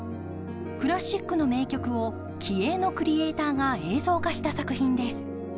クラシックの名曲を気鋭のクリエーターが映像化した作品です。